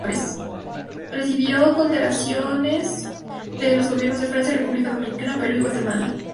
Recibió condecoraciones de los gobiernos de Francia, República Dominicana, Perú y Guatemala.